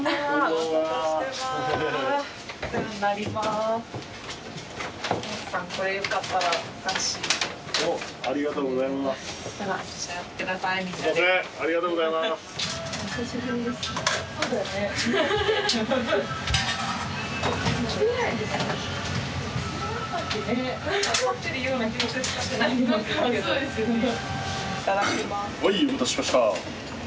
はいお待たせしました。